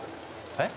えっ？